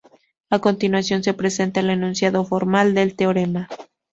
A continuación se presenta el enunciado formal del teorema.